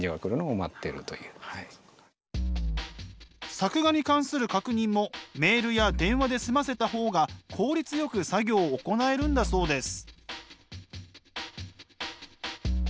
作画に関する確認もメールや電話で済ませた方が効率よく作業を行えるんだそうです。